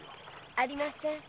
ありません。